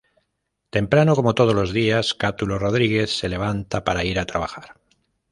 Temprano, como todos los días, Catulo Rodriguez se levanta para ir a trabajar.